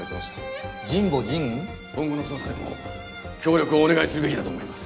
今後の捜査でも協力をお願いするべきだと思います。